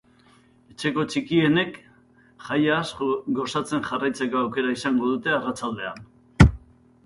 Etxeko txikienek, jaiaz gozatzen jarraitzeko aukera izango dute arratsaldean.